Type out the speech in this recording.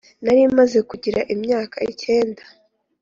narimaze kugira imyaka icyenda.